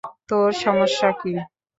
তোর সমস্যা কি?